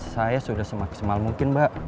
saya sudah semaksimal mungkin mbak